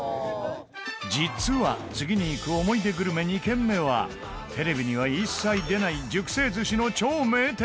実は、次に行く思い出グルメ２軒目はテレビには一切出ない熟成寿司の超名店！